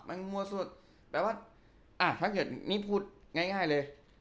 มันมั่วสุดแปลว่าอ่ะถ้าเกิดนี่พูดง่ายเลย